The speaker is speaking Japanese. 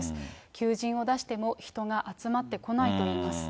求人を出しても人が集まってこないといいます。